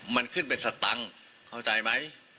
มันขึ้นเป็นสตังค์เข้าใจไหม